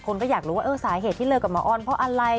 ก็อยากรู้ว่าสาเหตุที่เลิกกับหมออ้อนเพราะอะไร